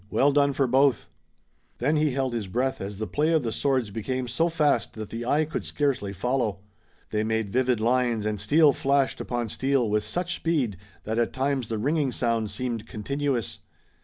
Well done for both!" Then he held his breath as the play of the swords became so fast that the eye could scarcely follow. They made vivid lines, and steel flashed upon steel with such speed that at times the ringing sound seemed continuous.